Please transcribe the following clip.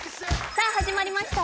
さあ始まりました